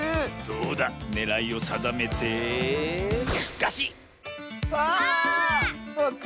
そうだねらいをさだめてガシッ！